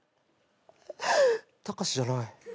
タカシじゃない。